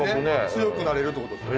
強くなれるってことですよね。